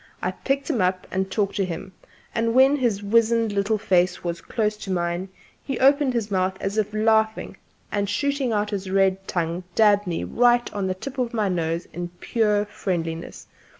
I picked him up and talked to him; and when his wizened little face was close to mine, he opened his mouth as if laughing, and shooting out his red tongue dabbed me right on the tip of my nose in pure friendliness.